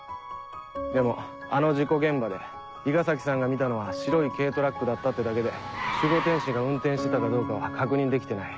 でもあの事故現場で伊賀崎さんが見たのは白い軽トラックだったってだけで守護天使が運転してたかどうかは確認できてない。